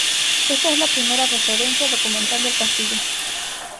Esta es la primera referencia documental del castillo.